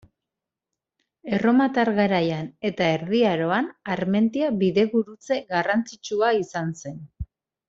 Erromatar garaian eta Erdi Aroan Armentia bidegurutze garrantzitsua izan zen.